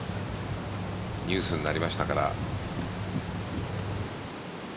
ニュースになりましたから。